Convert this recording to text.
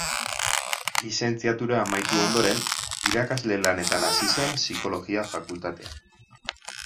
Lizentziatura amaitu ondoren, irakasle lanetan hasi zen Psikologia Fakultatean.